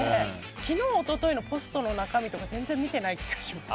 昨日一昨日のポストの中身とか全然見ていない気がします。